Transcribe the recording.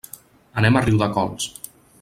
Anem a Riudecols.